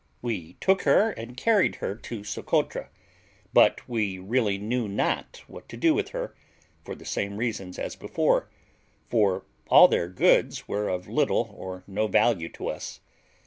We took her and carried her to Socotra; but we really knew not what to do with her, for the same reasons as before; for all their goods were of little or no value to us.